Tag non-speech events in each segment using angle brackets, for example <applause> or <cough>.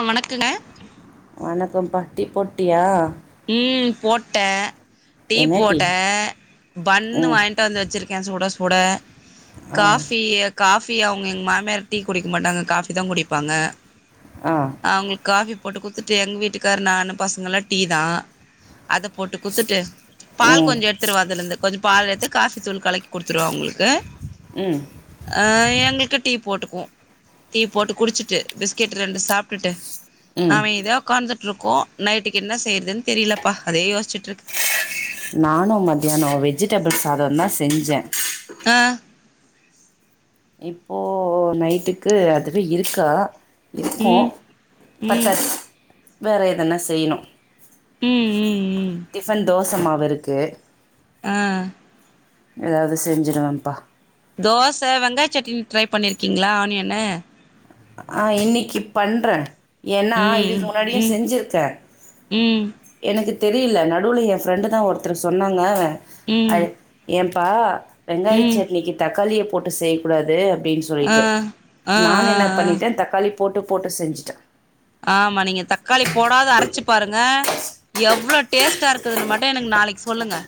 அ வணக்குங்க வணக்கம் பா டீ போட்டியா ம் போட்டே டீ போட்டே பண்ணு ம் வாங்கிட்டு வந்து வச்சுருக்கே சுட சுட ஆ காஃபி காஃபி அவுங்க எங்க மாமியார் டீ குடிக்க மாட்டாங்க காஃபி தா குடிப்பாங்க அ அவுங்களுக் காஃபி போட்டு குட்த்துட்டு எங்க வீட்டுக்காரு நானு பசங்கல்லா டீ தா அத போட்டு குட்த்துட்டு பால் ம் கொஞ்சொ எடு துருவா அதுல இர்ந்து கொஞ்ச பால் எட்த்து காஃபி தூள் கலக்கி குடுத்துருவே அவுங்களுக்கு ம் அ எங்களுக்கு டீ போட்டுக்குவோ டீ போட்டு குடுச்சிட்டு பிஸ்கெட் ரெண்டு சாப்ட்டுட்டு ம் நாவெ இதோ உக்காந்துட் இருக்கோ நைட்டுக்கு என்ன செய்யற் துன் தெரியலப்பா அதே யோச்சுட்டு இருக்கு நானு மத்தியானொ வெஜிடபிள் சாதொ தா செஞ்சே அ இப்போ நைட்டுக்கு அதுவே இருக்கா இருக்கு ம் ம் பத்தாச் வேற எதன செய்யணு ம் ம் ம் டிஃபன் தோச மாவு இருக்கு அ ஏதாவது செஞ்சுருவேப்பா தோச வெங்காய சட்னி ட்ரை பண்ணிருக்கீங்ளா ஆனியன்னு ஆ இன்னக்கி பண்றே ஏன்னா ம் இதுக்கு முன்னாடியு ம் செஞ்சுருக்கே ம் எனக்கு தெரியல நடுவுல எ ஃப்ரெண்டு தா ஒருத்தரு சொன்னாங்க ஐ ம் ஏப்பா வெங்காய ம் சட்னிக்கு தக்காளிய போட்டு செய்யக்கூடாது அப்டின் ஆ சொல்லிட்டு ஆ நானு ஆ என்ன பண்ணிட்டே தக்காளி போட்டு போட்டு செஞ்சுட்டே ஆமா நீங்க தக்காளி போடாது அரச்சு பாருங்க எவ்ளோ டேஸ்ட்டா இருக்குதுன்னு மட்டு எனக்கு நாளக்கி சொல்லுங்க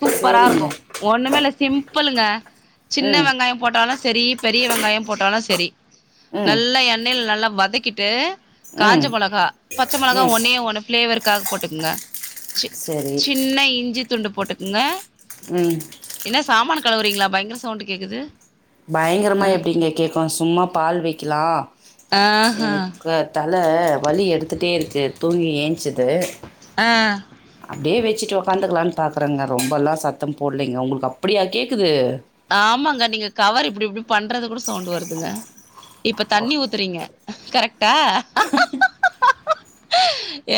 சூப்பரா சேரிங்க இருக்கு ஒன்னுமே இல்ல சிம்புளுங்க சின்ன ம் வெங்காயம் போட்டாலு செரி பெரிய வெங்காயம் போட்டாலு செரி ம் நல்லா எண்ணெய்ல நல்லா வதக் ட்டு காஞ்ச ம் மொளகா பச்ச மெளகா ம் ஒன்னே ஒன்னு ஃபிளேவருக்காக போட்டுக்கங்க ச சரி சின்ன இஞ்சி துண்டு போட்டுக்குங்க ம் என்ன சாமான் கலவுறீங்களா பயங்கர சவுண்ட் கேக்குது பயங்கரமா அ எப்படிங்க கேட்கு சும்மா பால் வைக்கலா ஆஹ அ தல வலி எடுத்துட்டே இருக்கு தூங்கி ஏஞ்ச்சது ஆ அப்டியே வச்சுட்டு உட்காந்துக்கலான்னு பாக்குறேங்க ரொம்பெல்லா சத்தம் போடலைங்க உங்களுக்கு அப்படியா கேட்குது ஆமாங்க நீங்க கவர் இப்டி இப்டி பண்றது கூட சவுண்ட் வருதுங்க இப்ப தண்ணி ஊத்துறீங்க கரெக்டா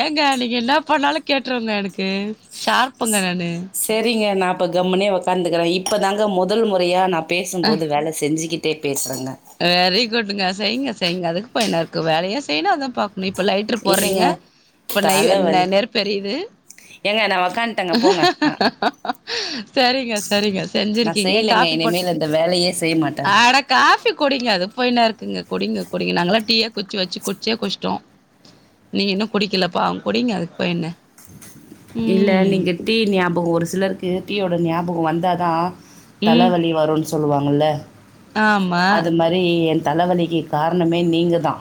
ஏங்க நீங்க என்ன பண்ணாலும் கேட்டுருங்க எனக்கு ஷார்ப்புங்க நானு செரிங்க நா அப்போ கம்முனே உட்காந்துக்குற இப்பதாங்க முதல் முறையா நா பேசும்போது வேல செஞ்சுக்கிட்டு டே பேசுறேங்க வெரி குட்ங்க செய்ங்க செய்ங்க அதுக்கு போய் என்ன இருக்கு வேலையு செய்யனு அதுவு பாக்கணும் இப்ப லைட்டரு இல்லைங்க போட்றிங்க இப்ப தல வலி நெருப்பு எரியுது ஏங்க நா உக்கான்ட்ட சரிங்க சரிங்க நா செஞ்சிருக்கே செய்யலங்க இனிமேல் அந்த வேலையே செய்ய மாட்ட காபி குடிங்க அது போய் என்னா இருக்குங்க குடிங்க குடிங்க நாங்கல்லா டீயே குச்சி வச்சு குடிச்சே குச்சிட்டோம் நீங்க இன்னும் குடிக்கலப்பா குடிங்க அதுக்கு போய் என்ன இல்ல ம் நீங்க டீ ஞாபகம் ஒரு சிலருக்கு டீயோட ஞாபகம் வந்தாதா தல ம் வலி வருனு சொல்லுவாங்கல ஆமா அது மாரி ரி ஏ தலவலிக்கு காரணமே நீங்கதா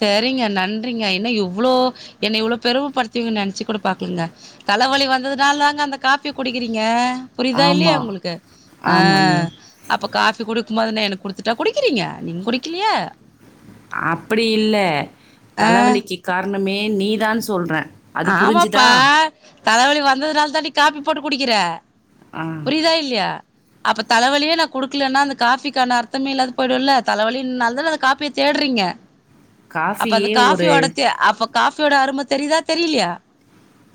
சரிங்க நன்றிங்க என்ன இவ்ளோ என்ன இவ்ளோ பெருமப்படுதுவீங்கனு நென்ச்சி கூட பாக்லங்க தல வலி வந்ததுனாலாங்க அந்த காபிய குடிக்கிறீங்க புரிதா இல்லியா ஆமா உங்களுக்கு ஆ ஆமாங்க அப்போ காபி குடிக்குபோதுன எனக்கு குடுத்துட்டா குடிக்கிறீங்க நீங் குடிக்லயா அப்டி இல்ல ஆ தல வலிக்கு காரணமே நீ தா சொல்ற ஆமா பா தல வலி வந்ததுனாலதான்டி காபி போட்டு குடிக்கிற ஆ. புரிதா இல்லயா அப்ப தல வலியே நா குடுக்கலன்னா அந்த காபிக்கான அர்த்தமே இல்லாத போயிடும்ல தல வலி னால்தான அந்த காபிய தேட்றிங்க அப்ப அந்த காஃபியே ஒரு காஃபியோட தே அப்ப காஃபியோட அரும தெரிதா தெரிலயா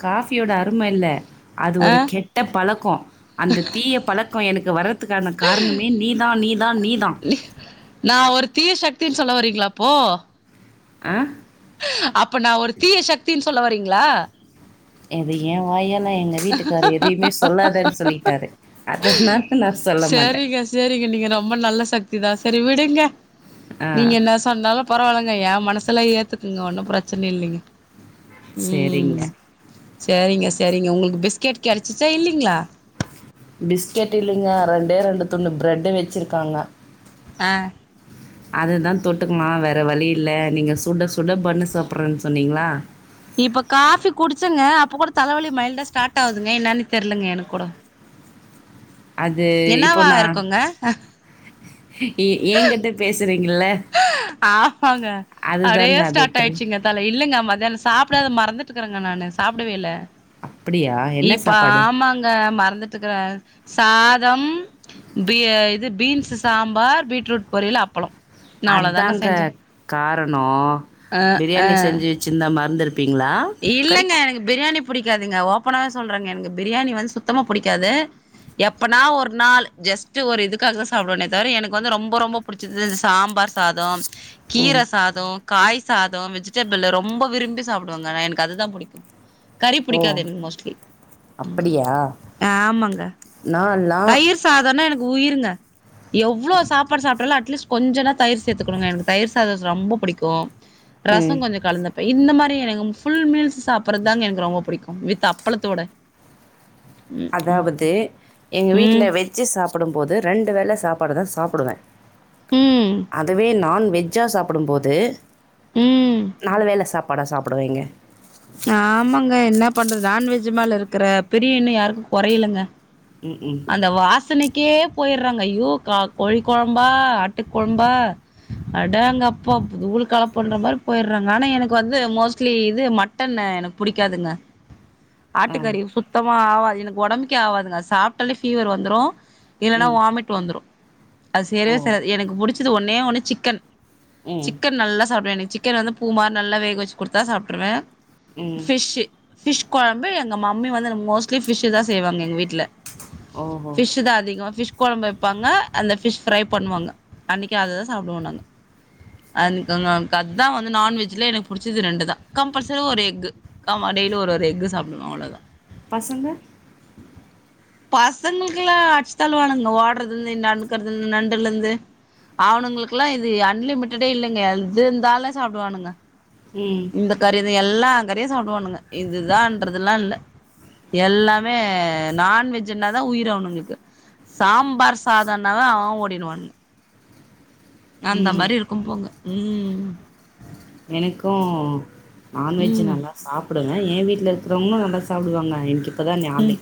காஃபியோட அரும இல்ல அது ஆ ஒரு கெட்ட பழக்கோ அந்த தீய பழக்கோ எனக்கு வர்றதுக்கான காரணமே நீதா நீதா நீதா நா ஒரு தீய சக்தின் சொல்ல வரீங்ளாப்போ ஹா அப்ப நா ஒரு தீய சக்தின் சொல்ல வறிங்களா எது ஏன் வாயல எங்க வீட்டுக்காரு எதிமே சொல்லாதன்னு சொல்லிடாரு அதுனா சேரிங்க சேரிங்க நீங்க ரொம்ப நல்ல சக்தி தா சரி விடுங்க ஆ நீங்க என்ன பன்னாலு பரவால்லங்க ஏன் மனசுலா ஏத்துக்குங்க ஒன்னு பிரச்சன இல்லங்க செரிங்க சேரிங்க சேரிங்க உங்குளுக்கு பிஸ்கெட் கெடச்சிச்சா இல்லீங்ளா பிஸ்கெட் இல்லீங்க ரெண்டே ரெண்டு துண்ணு பிரெட்டு வெச்சிருக்காங்க ஆ அது தா தொட்டுக்குமா வேற வழி இல்ல நீங்க சுட சுட பன்னு சாப்புறன்னு சொன்னீங்களா இப்ப காஃபி குடிச்சங்க அப்போ கூட தலவலி மைல்டா ஸ்டார்ட் ஆகுதுங்க என்னான்னு தெர்லங்க எனக்கு கூடோ அது இப்போ என்னவா நா இருக்குங்க ஆ ஏ ஏ கிட்ட பேசுறீங்கள ஆமாங்க அப்டியே ஸ்டார்ட் அதத்தல் ஆயிச்சுங்க தல இல்லங்க மத்யானோ சாப்டாத மறந்துட்டுகுறங்க நானு சாப்டவேல அப்புடியா இப்ப ஆமாங்க மறதுட்டுக்குற சாதம் பியா இது பீன்ஸு சாம்பார் பீட்ரூட் பொரியல் அப்பளோ நா அவ்ளோதாங்க அதாங்க செஞ்சே காரணோ அ அ பிரியாணி செஞ்சி வெச்சிருந்தா மற்திருப்பீங்களா இல்லங்க எனக்கு பிரியாணி புடிக்காதுங்க ஓபனாவே சொல்றேங்க எனக்கு பிரியாணி சுத்தமா புடிக்காது எப்பனா ஒரு நாள் ஜஸ்ட்டு ஒரு இதுக்காகாத சாப்டுவனே தவிர எனக்கு வந்து ரொம்போ ரொம்போ புடிச்சிது இந்த சாம்பார் சாதோ ம் கீர சாதோ காய் சாதோ வெஜிடபிள் ரொம்போ விரும்பி சாப் உங்க நயினுக்கு அதுதா புடிக்கு கறி ஓ புடிக்காது எனக்கு மோஸ்ட்லி அப்படியா ஆ ஆமாங்க நான்லாம் தயிர் சாதோனா எனக்கு உயிருங்க எவ்ளோ சாப்பாடு சாப்ட்டாலு அட்லிஸ்ட் கொஞ்சோனா தயிர் சேத்துகுனுங்க எனக்கு தயிர் சாதோ ரோம்போ புடிக்கு ரசோ ம் கொஞ்சோ கலந்துப்ப இந்த மாரி எனக்கு ஃபுல் மீல்ஸ் சாப்புர்த்தாங்க எனக்கு ரொம்போ புடிக்கும் வித் அப் அப்ளத்தோட அதாவது எங்க வீட்ல ம் வெஜ் வெஜ்ஜு சாப்டும்போது ரெண்டு வேள சாப்பாடு தா சாப்டுவ ம் அதுவே நான்வெஜ் வெஜ்ஜா சாப்புடும்போது ம் நாலு வேல சாப்பாடா சாப்புடவேங்க ஆமாங்க என்ன பண்றது நான்வெஜு மேல இருக்குற பிரியு இன்னு கொறையலங்க ம் ம் அந்த வாசனைக்கே போயிடுறோங்க ஐயோ க கோழி கொழம்பா ஆட்டுக்கொழம்பா அடாங்கப்பா தூளுக்கலப்போன்ற மாதிரி போயிட்றாங்க ஆனா எனக்கு வந்து மோஸ்ட்லி இது மட் மட்டன்னு எனக்கு புடிக்காதுங்க பிளாங்க் ஆட்டுக்கறி சுத்தமா ஆவாது எனக்கு ஒடம்புக்கே ஆவாதுங்க சாப்ட்டாலே ஃபீவர் வந்துடோ இல்லன்னா ம் வாமிட் ட்டு வந்துடோ அது ஓ சேரவே சேராது எனக்கு பிடிச்சுது ஒன்னே ஒண்ணு சிக்கன் ம் சிக்கன் நல்லா சாப்புடுவே எனக்கு சிக்கன் வந்து பூ மாரி நல்லா வேக வெச்சு குடுத்தா சாப்ட்ருவே ம் பிஷ்ஷு பிஷ் கொழம்பு எங்க மம்மி வந்து மோஸ்ட்லி பிஷ்தா செய்வாங்க எங்க வீட்ல ஓஹோ புட்டுதா அதிகமா ஃபிஷ் கொழம்பு வெப்பாங்க அந்த ஃபிஷ் ஃப்ரை பண்ணுவாங்க அன்னக்கி அததா சாப்புடுவோ நாங்க அதுக்கு எனக்கு அதுதா வந்து நான்வெஜ்லயே எனக்கு புடிச்சது ரெண்டு தா கம்பல்சரி ஒரு எக்கு ஆமா டெய்லியு ஒரு ஒரு எக்கு சாப்புடுவோ அவ்ளோதா பசங்க பசங்களுக்குலா அட்சுத்தள்ளுவானுங்க ஓடுறது இருந்து நடக்கறதுலந்து நண்டுலந்து அவனுங்களுக்குலா இது அன்லிமிட்டடே இல்லைங்க எது இருந்தாலே சாப்பிடுவானுங்க உம் இந்த கறி எல்லா கறியு சாப்பிடுவானுங்க இதுதான்றதுல்லா இல்ல எல்லாமே நான்வெஜ்ன்னாதா உயிரு அவனுங்குளுக்கு சாம்பார் சாதோன்னாவே அவ அவ ஓடிடுவானுங்க அந்த ம் மாரி இருக்கு போங்க உம் எனக்கு நான்வெஜு ம் நல்லா சாப்டுவே ஏன் வீட்ல இருக்குறவங்களு நல்லா சாப்டுவாங்க எனக் இப்பதா நாளை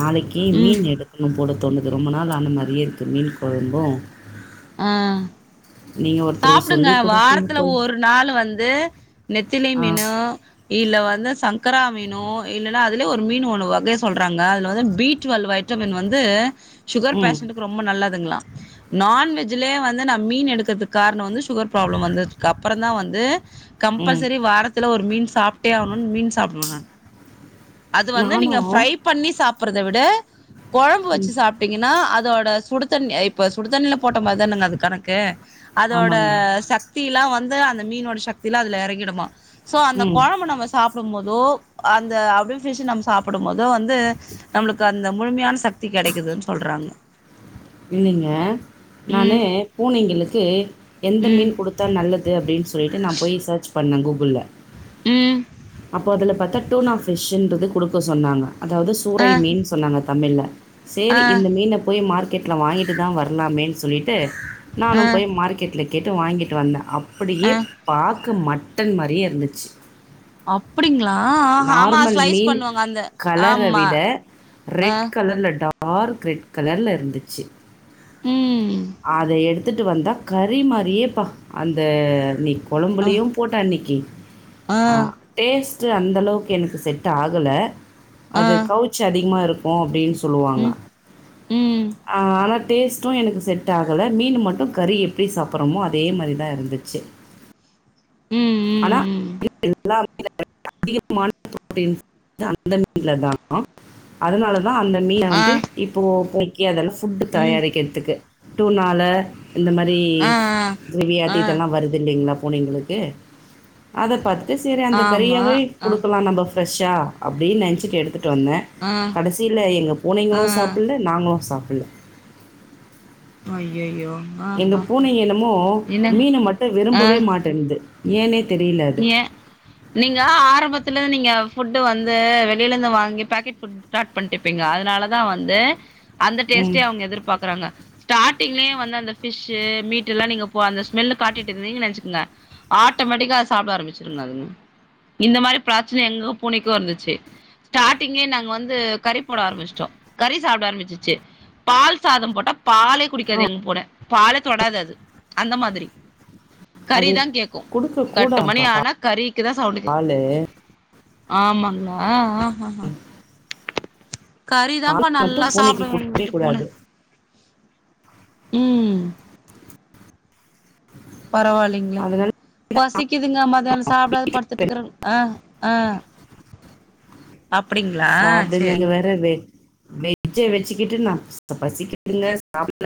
நாளைக்கு ம் மீன் எடு கணு போல தோணுது ரொம்ப நாள் ஆன மாரியே இருக்கு மீன் கொழம்பு ஆ ஒருத்தருக்கு சாப்டுங்க சொல்லி குடுப்பீங்க வாரத்துல போல ஒரு நாள் வந்து நெத்திலி ஆ மீனு இல்ல வந்து சங்கரா மீனோ இல்லனா அதுலே ஒரு மீனு ஒன்னு வகை சொல்றாங்க அதுல வந்து பீ டுவெல் வ ட்டமின் வந்து ஷூகர் ம் பேஷன்ட்டுக்கு ரொம்ப நல்லதுங்ளா நான்வெஜ் இதுலே வந்து நா மீன் எடுக்கறதுக்கு காரணோ வந்து ஷூகர் ப்ராப்ளம் வந்ததுக்கு அப்பறந்தா வந்து ம் கம்பல்சரி வாரத்துல ஒரு மீன் சாப்ட்டே ஆகணுன் மீன் சாப்டுவோ நாங் அது வந்து நானு நீங்க ஃப்ரை பண்ணி சாப்பறத விட கொழம்பு வச்சு ம் சாப் திங்கன்னா அதோட சுடுதண்ணி இப்ப சுடுதண்ணில போட்ட மாரி தானங்க அது கணக்கு அதோட ஆமாங்க சக்திலா வந்து அந்த மீனோட சக்திலா அதுல எறங்கிடுமா சோ அந்த ம் கொழம்ப நம்ம சாப்புடும்போதோ அந்த அபில் ஃபிஷ் நம்ம சா ப்படும்போதே வந்து நம்ளுக்கு அந்த முழுமையான சக்தி கெடைக்குதுன் சொல்றாங்க இல்லைங்க நானு ம் பூனைங்களுக்கு எந்த ம் மீன் குடுத் தா நல்லது அப்டின் சொல்லிட்டு நா போய் சேர்ச் பண்ணே கூகுள்ல ம் அப்போ அதுல பாத்தா டூனா ஃபிஷ்ன்றது குடுக்க சொன்னாங்க அதாது ஆ சூறை மீன் சொன்னாங்க தமிழ்ல ஆ சேரி இந்த மீன போய் மார்க்கெட்ல வாங்கிட்டு தா வர்லாமேன் சொல்லிட்டு நானு ஆ போய் மார்க்கெட்ல கேட்டு வாங்கிட்டு வந்தே ஆ அப்டியே பாக் க்க மட்டன் மாரியே இருந்துச்சு அப்டிங்களா ஆமா நார்மல் ஸ்லைஸ் மீன் பண்ணுவாங்க அந்த கலர ஆமா விட ஆ ரெட் கலர்ல டா டார்க் ரெட் கலர்ல இருந்துச்சு ம் அத எடுத் த்துட்டு வந்தா கறி மாரியேப்பா அந்த நீ அ கொழம்புலயு போட்ட அன்னைக்கு ஆ டேஸ்ட்டு அந்தளவுக்கு எனக்கு செட் ஆகுல ஆ அதுக் கவு ச்சு அதிகமாக இருக்கு அப்டின் சொல்லுவாங்க ம் ம் ஆனா டேஸ்ட்டு எனக்கு செட் ஆகல மீன் மட்டு கறி எப்டி சாப்பர்றமோ அதே மாரி தா இருந்துச்சு ம் ஆனா ம் ம் <inaudible> இல்லாம அதிகமான ப்ரோட்டின்ஸ் சத்து அந்த மீன்ல <inaudible> தா அதுனால னா அந்த மீன ஆ வந்து இப்போ பொறிக்க அதெல்லா ஃபுட் ம் தயாரிக்கறத்துக்கு டூனால இந்த மரி ஆ வெளிய அது ஆ ஆ இதுல்லா வருது இல்லைங்களா பூனைங்களுக்கு அத பாத்துட்டு சரி அந்த ஆமா கறியாவே அ குடுக்கலா நம்ப ஃப்ரெஷ்ஷா அப்டின் நெனச்சிட்டு எடுத்துட்டு வந்தே ஆ கடைசில எங்க ஆ பூனைங்களு சாப்புல்ல நாங்களு சாப்புல்ல அய்யயோ எங்க பூனை என்னமோ மீன மட்டு ஆ விரும்பவே மாட்டன்து ஏனே தெரில அது ஏ நீங்க ஆரம்பத்துலே நீங்க ஃபுட்டு வந்து வெளிலந்து வாங்கி பாக்கெட் ஃபுட் ஸ்டார்ட் பண்ட்டுப்பீங்க அதனாலதா வந்து அந்த ம் டேஸ்ட்டே அவங்க எதிர்பாக்குறாங்க ஸ்டார்டிங்லே வந்து அந்த ஃபிஷ்சு மீட்டுலா நீ போ அந்த ஸ்மெல்லு காட்டிட்ருந்தீங்க வச்சுக்கு ங்க ஆட்டோமேட்டிக்கா அத சாப்ட ஆரம்பிச்சிருங்க அதுங்க இந்த மாரி பிரச்சன எங்க பூனைக்கு இருந்துச்சு ஸ்டார்டிங்கே நாங்க வந்து கறி போட ஆரமிச்சுட்டோ கறி சாப்ட ஆரம்பிச்சிருச்சு பால் சாதம் போட்டா பாலே ஆ குடிக்காது எங்க பூன பாலே தொடாது அது அந்த மாதிரி கறி அது தா கேக்கு எட்டு மணி கொடுக்கக்கூடாதுப்பா ஆனா கறிக்குதா சவுண்டு கேக் பால் ஆமாங்கா ஆஹ கறிதா அப்ப நல்லா மட்டும் பூனைக்கு சாப்படனு கொடுக்கவே வீட்டு போனே கூடாது ம் பரவாலிங்களே அதனால பசிக்குதுங்க மதியான சாப்பிடது படுத்துட்டுக்றாங்க ஆஹ் ஆஹ் அப்டிங்களா சேர் வருவே வெஜ்ஜ வச்சுக்கிட்டு நா பசிக்குதுங்க சாப்டலா